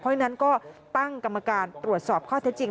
เพราะฉะนั้นก็ตั้งกรรมการตรวจสอบข้อเท็จจริง